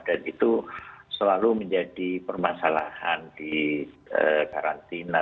dan itu selalu menjadi permasalahan di karantina